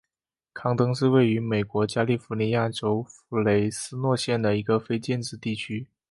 康登是位于美国加利福尼亚州弗雷斯诺县的一个非建制地区。